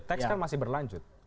teks kan masih berlanjut